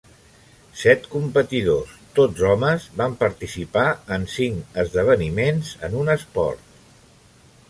Set competidors, tots homes, van participar en cinc esdeveniments en un esport.